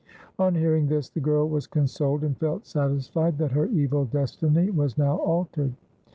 On hearing this the girl was consoled and felt satisfied that her evil destiny was now altered.